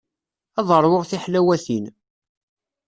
Ad ṛwuɣ tiḥlawatin.